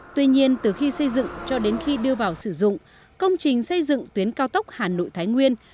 tuy nhiên từ khi xây dựng cho đến khi đưa vào sử dụng công trình xây dựng tuyến cao tốc hà nội thái nguyên